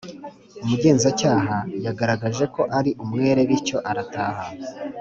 Umugenza cyaha yagaragaje ko ari umwere bitwo arataha